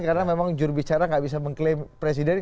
karena jurubicara memang tidak bisa mengklaim presiden